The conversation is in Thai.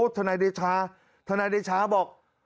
ฐเดชาฐเดชาบอก